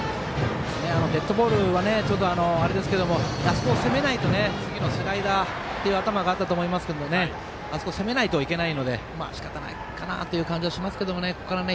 デッドボールはしかたないですけど次のスライダーというのが頭にあったと思うんですけどあそこを攻めないといけないのでしかたないかなという気がしますけどね。